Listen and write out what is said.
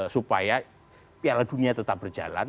supaya piala dunia tetap berjalan